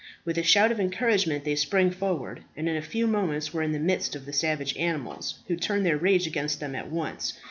With a shout of encouragement they sprang forward, and in a few moments were in the midst of the savage animals, who turned their rage against them at once.